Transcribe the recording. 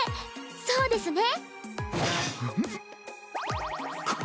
そうですね。